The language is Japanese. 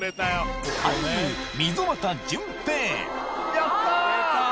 やった！